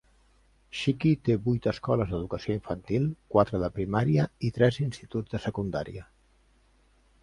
Shiki té vuit escoles d'educació infantil, quatre de primària i tres instituts de secundària.